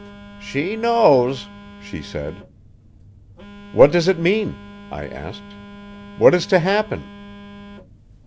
"She knows," she said. "What does it mean?" I asked. "What is to happen?"